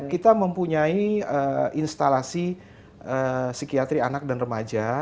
kita mempunyai instalasi psikiatri anak dan remaja